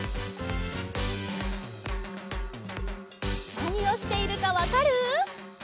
なにをしているかわかる？